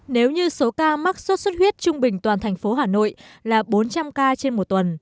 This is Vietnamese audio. nếu như số ca mắc sốt xuất huyết trung bình toàn thành phố hà nội là bốn trăm linh ca trên một tuần